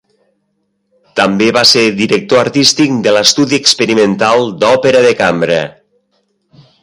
També va ser director artístic de l'Estudi experimental d'òpera de cambra.